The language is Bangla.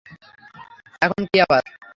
এখন কী আবার?